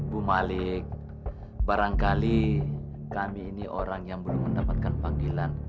bu malik barangkali kami ini orang yang belum mendapatkan panggilan